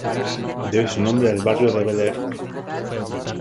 Debe su nombre al barrio de Bel-Air.